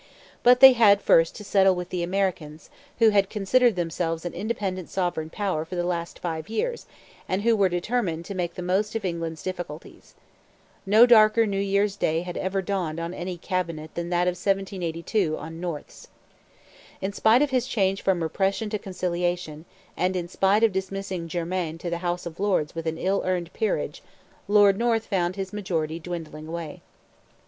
But they had first to settle with the Americans, who had considered themselves an independent sovereign power for the last five years and who were determined to make the most of England's difficulties. No darker New Year's Day had ever dawned on any cabinet than that of 1782 on North's. In spite of his change from repression to conciliation, and in spite of dismissing Germain to the House of Lords with an ill earned peerage, Lord North found his majority dwindling away.